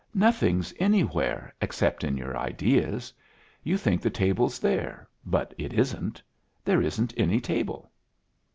Nothing's anywhere except in your ideas. You think the table's there, but it isn't. There isn't any table."